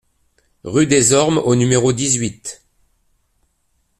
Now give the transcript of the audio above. Rue des Ormes au numéro dix-huit